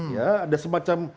ya ada semacam